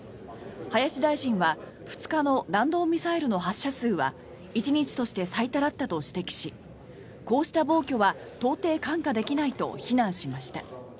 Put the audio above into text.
林大臣は２日の弾道ミサイルの発射数は１日として最多だったと指摘しこうした暴挙は到底看過できないと非難しました。